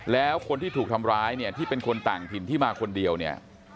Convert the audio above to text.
แล้วคนที่ถูกทำร้ายเนี่ยที่เป็นคนต่างถิ่นที่มาคนเดียวเนี่ย